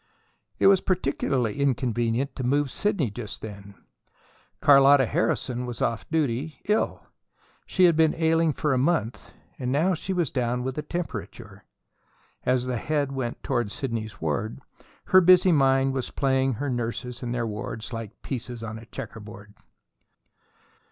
It was particularly inconvenient to move Sidney just then. Carlotta Harrison was off duty, ill. She had been ailing for a month, and now she was down with a temperature. As the Head went toward Sidney's ward, her busy mind was playing her nurses in their wards like pieces on a checkerboard.